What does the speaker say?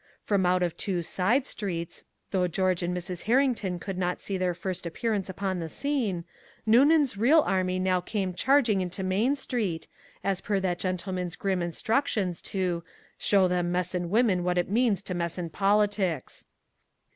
From out of two side streets, though George and Mrs. Herrington could not see their first appearance upon the scene, Noonan's real army now came charging into Main Street, as per that gentleman's grim instructions to "show them messin' women what it means to mess in politics."